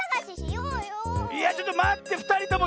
いやちょっとまってふたりとも！